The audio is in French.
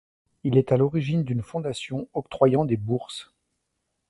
Il est à l'origine d'une fondation octroyant des bourses.